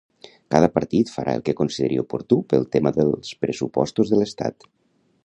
Cada partit farà el que consideri oportú pel tema dels pressupostos de l’estat.